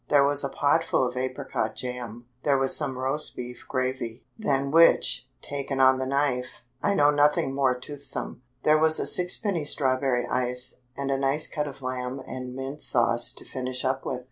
There was a pot full of apricot jam; there was some roast beef gravy, than which, taken on the knife, I know nothing more toothsome; there was a sixpenny strawberry ice, and a nice cut of lamb and mint sauce to finish up with.